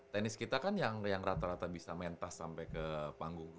tenis kita kan yang rata rata bisa mentas sampai ke panggung